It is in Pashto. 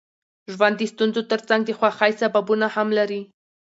ژوند د ستونزو ترڅنګ د خوښۍ سببونه هم لري.